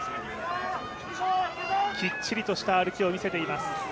きっちりとした歩きをみせています。